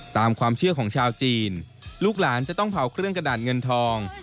ตามความเชื่อของชาวจีนลูกหลานจะต้องเผาเครื่องกระดาษเงินทอง